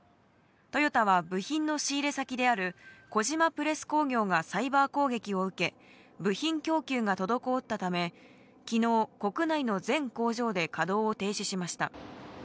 トヨタは部品の仕入れ先である小島プレス工業がサイバー攻撃を受け、部品供給が滞ったため昨日、国内の全工場で稼働を停止しました。